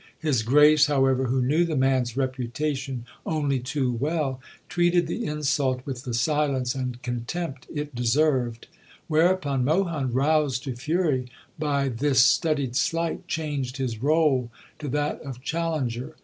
His Grace, however, who knew the man's reputation only too well, treated the insult with the silence and contempt it deserved; whereupon Mohun, roused to fury by this studied slight, changed his rôle to that of challenger.